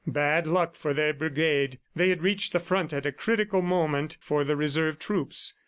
... Bad luck for their brigade! They had reached the front at a critical moment for the reserve troops.